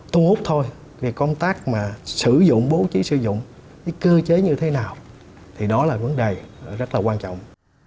thu hút thôi công tác mà sử dụng bố trí sử dụng cái cơ chế như thế nào thì đó là vấn đề rất là quan trọng